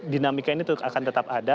dinamika ini akan tetap ada